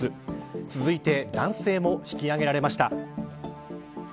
続いて男性も引き上げられました。